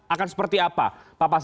akan seperti apa